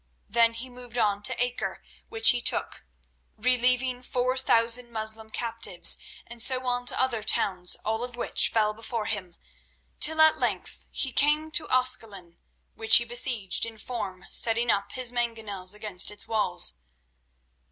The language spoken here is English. Then he moved on to Acre, which he took, relieving four thousand Moslem captives, and so on to other towns, all of which fell before him, till at length he came to Ascalon, which he besieged in form, setting up his mangonels against its walls.